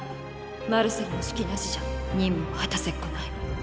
マルセルの指揮なしじゃ任務を果たせっこない。